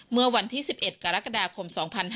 เมื่อวันที่๑๑กรกฎาคม๒๕๕๙